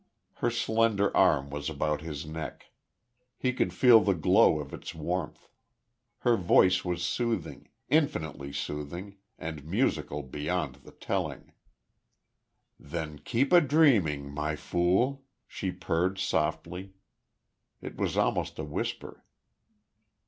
Her slender arm was about his neck; he could feel the glow of its warmth. Her voice was soothing infinitely soothing, and musical beyond the telling. "Then keep a dreaming, My Fool," she purred, softly. It was almost a whisper.